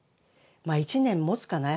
まあ１年もつかな？